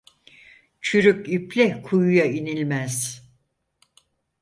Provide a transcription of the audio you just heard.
Çürük iple kuyuya inilmez.